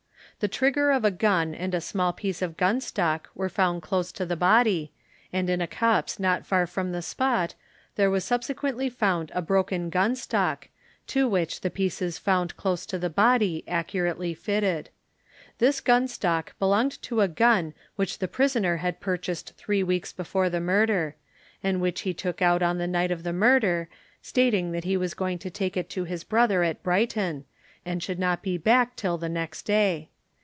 The trigger of a gun and a small piece of gun stock were found close to the body, and in a copse not far from the spot there was subsequently found a broken gun stock, to which the pieces found close to the body accurately fitted. This gun stock belonged to a gun which the prisoner had purchased three weeks before the murder; and which he took out on the night of the murder, stating that he was going to take it to his brother at Brighton, and should not be back till the next day.